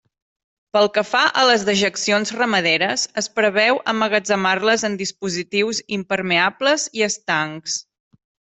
Pel que fa a les dejeccions ramaderes, es preveu emmagatzemar-les en dispositius impermeables i estancs.